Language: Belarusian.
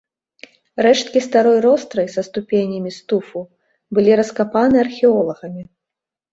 Рэшткі старой ростры са ступенямі з туфу былі раскапаны археолагамі.